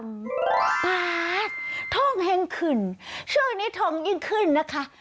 ปากท้องแห่งขึ่นช่วงนี้ทองยิ่งขึ้นนะคะ